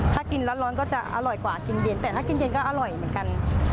ถ้ากินร้อนก็จะอร่อยกว่ากินเย็นแต่ถ้ากินเย็นก็อร่อยเหมือนกัน